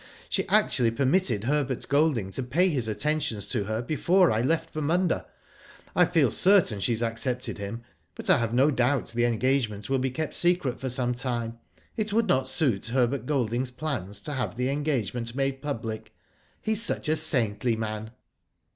She actually permitted Herbert Golding to pay his attentions to her before I left for Munda. I feel certain she has accepted him, but I have no doubt the engagement will be kept secret for some time. It would not suit Herbert Golding's plans to have the engagement made public. He is such a saintly man."